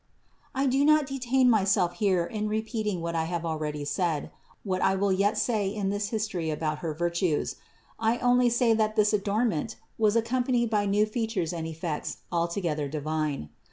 I do not detain myself here in repeating what I have already said, what I will yet say in this history about her virtues ; I only say that this adornment was accompanied by new features and effects altogether divine.